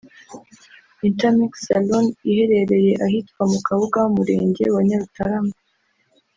Intermix Saloon iherereye ahitwa mu Kabuga mu Murenge wa Nyarutarama